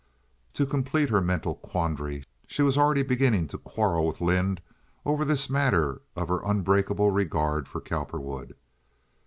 To complete her mental quandary, she was already beginning to quarrel with Lynde over this matter of her unbreakable regard for Cowperwood.